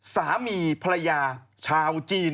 สามีภรรยาชาวจีน